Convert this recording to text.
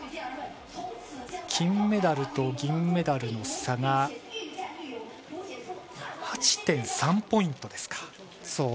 金メダルと銀メダルの差が８．３ポイントですか。